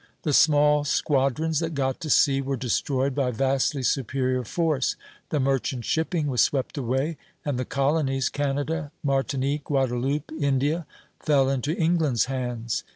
The small squadrons that got to sea were destroyed by vastly superior force; the merchant shipping was swept away, and the colonies, Canada, Martinique, Guadeloupe, India, fell into England's hands.